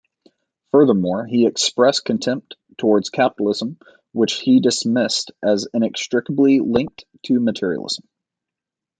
Furthermore, he expressed contempt towards capitalism, which he dismissed as inextricably linked to materialism.